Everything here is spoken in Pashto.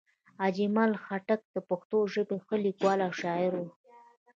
اجمل خټک د پښتو ژبې ښه لیکوال او شاعر وو